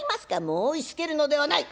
「申しつけるのではない。